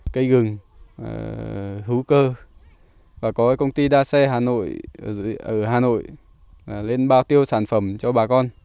cây gừng hữu cơ và có công ty đa xe hà nội ở hà nội lên bao tiêu sản phẩm cho bà con